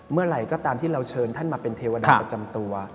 เมื่อไหร่ก็ตามที่เราเชิญท่านมาเป็นเทวดาประจำตัว